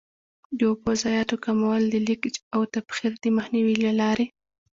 د اوبو ضایعاتو کمول د لیکج او تبخیر د مخنیوي له لارې.